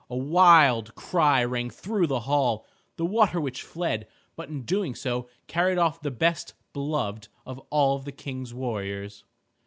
A wild cry rang through the hall. The water witch fled, but in doing so carried off the best beloved of all the King's warriors.